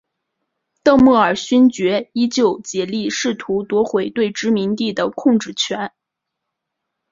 邓莫尔勋爵依旧竭力试图夺回对殖民地的控制权。